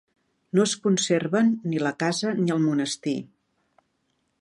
No es conserven ni la casa ni el monestir.